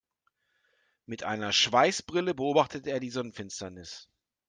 Mit einer Schweißbrille beobachtete er die Sonnenfinsternis.